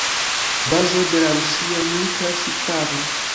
Bazo de la rusia milita ŝiparo.